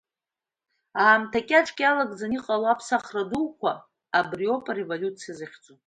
Аамҭа кьаҿк иалагӡаны иҟало аԥсахра дуқәа абри ауп ареволиуциа захьӡу.